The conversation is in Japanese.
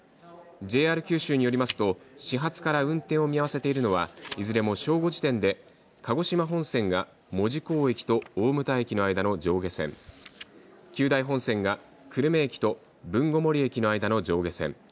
ＪＲ九州によりますと始発から運転を見合わせているのはいずれも正午時点で鹿児島本線が門司港駅と大牟田駅の間の上下線九大本線が久留米駅と豊後森駅の間の上下線。